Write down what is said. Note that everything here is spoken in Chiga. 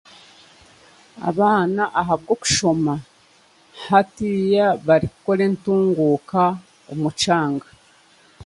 Abaana ahabw'okushoma hati barikukora entunguuka omu kyanga